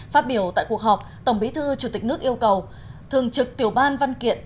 phát biểu tại cuộc họp tổng bí thư chủ tịch nước yêu cầu thường trực tiểu ban văn kiện